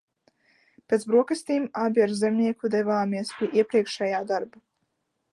Pēc brokastīm abi ar Zemnieku devāmies pie iepriekšējā darba.